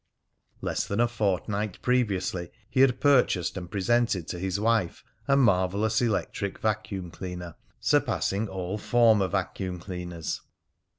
Less than a fortnight previously he had purchased and presented to his wife a marvellous electric vacuum cleaner, surpassing all former vacuum cleaners.